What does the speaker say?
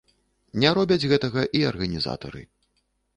Не робяць гэтага і арганізатары.